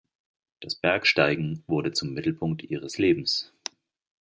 Das Bergsteigen wurde zum Mittelpunkt ihres Lebens.